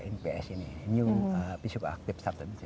ini new bisip aktif